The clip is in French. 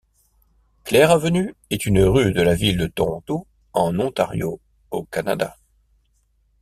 Clair Avenue est une rue de la ville de Toronto, en Ontario, au Canada.